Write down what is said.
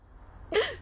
うん？